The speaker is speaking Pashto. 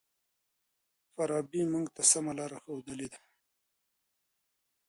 فارابي موږ ته سمه لار ښودلې ده.